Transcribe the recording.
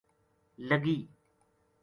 لگی